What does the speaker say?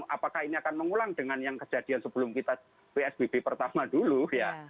apakah ini akan mengulang dengan yang kejadian sebelum kita psbb pertama dulu ya